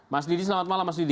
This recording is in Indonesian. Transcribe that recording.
mas didi selamat malam mas didi